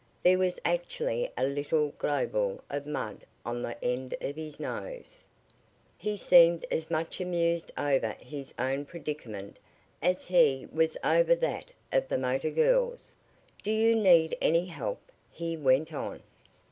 There was actually a little globule of mud on the end of his nose. He seemed as much amused over his own predicament as he was over that of the motor girls. "Do you need any help?" he went on.